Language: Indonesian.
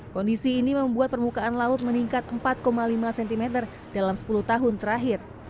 kondisi ini membuat permukaan laut meningkat empat lima cm dalam sepuluh tahun terakhir